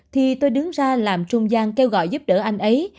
thì tôi đứng ra làm trung gian kêu gọi giúp đỡ anh ấy